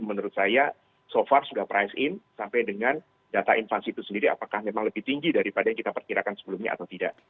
menurut saya so far sudah price in sampai dengan data inflasi itu sendiri apakah memang lebih tinggi daripada yang kita perkirakan sebelumnya atau tidak